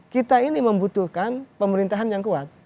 kita ini membutuhkan pemerintahan yang kuat